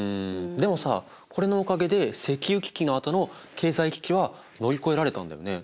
でもさこれのおかげで石油危機のあとの経済危機は乗り越えられたんだよね？